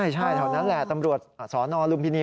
ใช่แถวนั้นแหละตำรวจสนลุมพินี